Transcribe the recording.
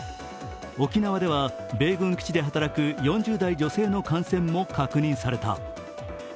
沖縄では米軍基地で働く４０代女性の感染も確認された。